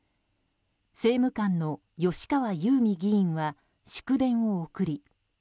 政務官の吉川有美議員は祝電を送り